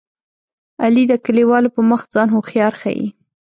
علي د کلیوالو په مخ ځان هوښیار ښيي.